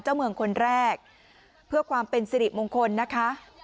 เมืองคนแรกเพื่อความเป็นสิริมงคลนะคะ